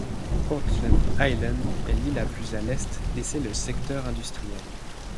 Portland Island est l'île la plus à l'est et c'est le secteur industriel.